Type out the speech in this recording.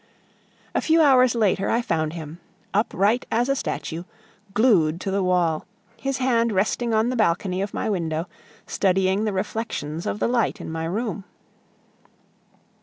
A few hours later I found him, upright as a statue, glued to the wall, his hand resting on the balcony of my window, studying the reflections of the light in my room.